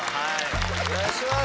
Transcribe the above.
お願いします！